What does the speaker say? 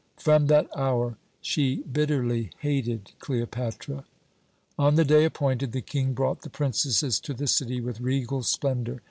"From that hour she bitterly hated Cleopatra. "On the day appointed, the King brought the princesses to the city with regal splendour.